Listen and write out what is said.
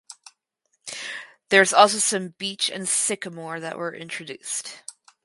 There is also some beech and sycamore that were introduced.